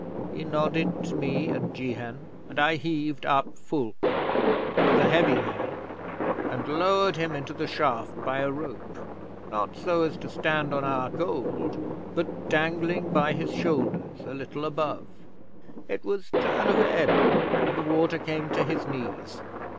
He nodded to me, and Jehan and I heaved up Fulke he was a heavy man and lowered him into the shaft by a rope, not so as to stand on our gold, but dangling by his shoulders a little above. It was turn of ebb, and the water came to his knees.